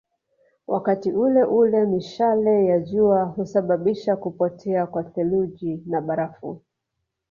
Wakati uleule mishale ya jua husababisha kupotea kwa theluji na barafu